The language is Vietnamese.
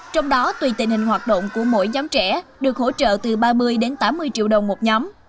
trong đó tùy tình hình hoạt động của mỗi nhóm trẻ được hỗ trợ từ ba mươi đến tám mươi triệu đồng một nhóm